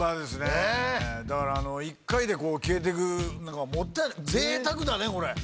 だから１回で消えていくのがもったいない。